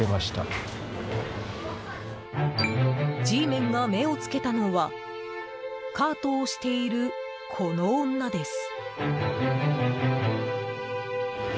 Ｇメンが目をつけたのはカートを押している、この女です。